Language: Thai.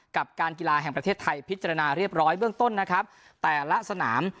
กับการกีฬาแห่งประเทศไทยพิจารณาเรียบร้อยเบื้องต้นนะครับแต่ละสนาม